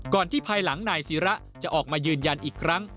ที่ภายหลังนายศิระจะออกมายืนยันอีกครั้ง